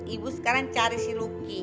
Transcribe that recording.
ibu sekarang cari si luki